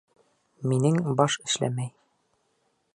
Минең баш эшләмәй.